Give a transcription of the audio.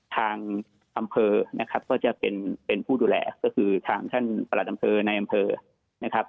ทางอำเภอนะครับก็จะเป็นผู้ดูแลก็คือทางท่านประหลัดอำเภอในอำเภอนะครับ